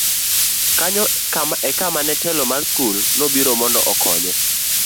kanyo e kama telo mar skul nobiro mondo okonye